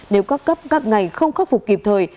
nếu các cấp các ngành không khắc phục kịp thời